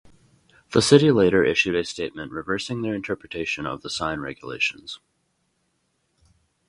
The city later issued a statement reversing their interpretation of the sign regulations.